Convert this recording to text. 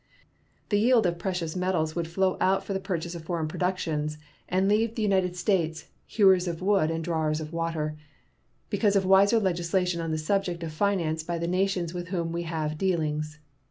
The yield of precious metals would flow out for the purchase of foreign productions and leave the United States "hewers of wood and drawers of water," because of wiser legislation on the subject of finance by the nations with whom we have dealings.